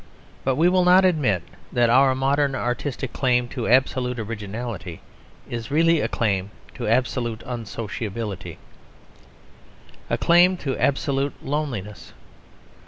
But we will not admit that our modern artistic claim to absolute originality is really a claim to absolute unsociability; a claim to absolute loneliness.